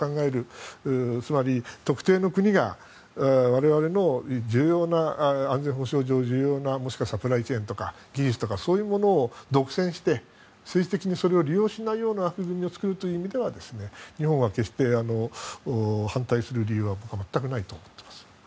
つまり、特定の国が我々の安全保障上重要なサプライチェーンとか技術とかそういうものを独占して政治的に利用しないような枠組みを作るという意味では日本は決して反対する理由は全くないと思っています。